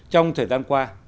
trong thời gian qua